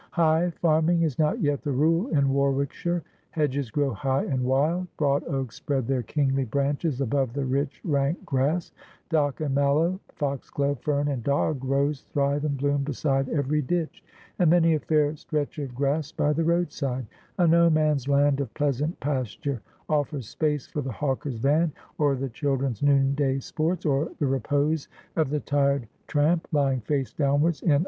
High farming is not yet the rule in Warwickshire. Hedges grow high and wild ; broad oaks spread their kingly branches above the rich rank grass ; dock and mallow, foxglove, fern, and dog rose thrive and bloom beside every ditch ; and many a fair stretch of grass by the roadside — a no man's land of pleasant pasture — ofEers space for the hawker's van, or the children's noonday sports, or the repose of the tired tramp, lying face downwards in Q 98 Asphodel.